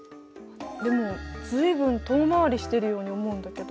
でも随分遠回りしてるように思うんだけど？